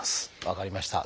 分かりました。